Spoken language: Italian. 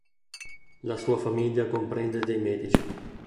La sua famiglia comprende dei medici.